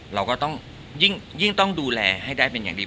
เราก็ต้องยิ่งต้องดูแลให้ได้เป็นอย่างดี